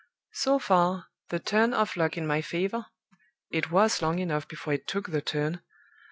"So far, the turn of luck in my favor (it was long enough before it took the turn!)